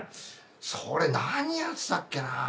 それ何やってたっけな？